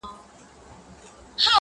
غر که لوړ دئ، پر سر ئې لار ده.